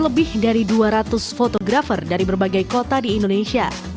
lebih dari dua ratus fotografer dari berbagai kota di indonesia